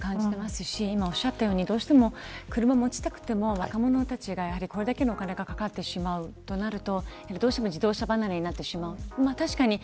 とても高く感じてますし今おっしゃったように車を持ちたくても若者たちがこれだけお金がかかってしまうとなるとどうしても自動車離れになってしまう。